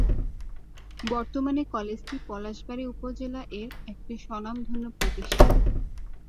বর্তমানে কলেজটি পলাশবাড়ী উপজেলা এর একটি স্বনামধন্য প্রতিষ্ঠান।